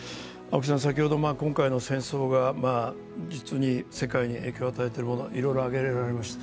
今回の戦争が、世界に影響を与えているもの、いろいろ挙げられました。